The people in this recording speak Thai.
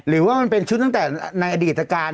หรือว่ามันเป็นชุดตั้งแต่ในอดีตการ